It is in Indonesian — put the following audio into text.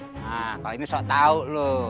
nah kalau ini sok tau lu